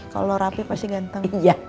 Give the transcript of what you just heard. kalo rapih pasti ganteng